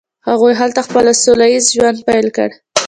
هغوی هلته خپل سوله ایز ژوند پیل کړ.